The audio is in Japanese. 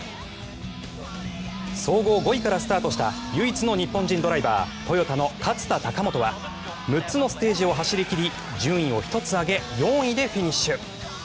総合５位からスタートした唯一の日本人ドライバートヨタの勝田貴元は６つのステージを走り切り順位を１つ上げて４位でフィニッシュ。